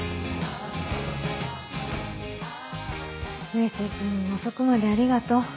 上杉君も遅くまでありがとう。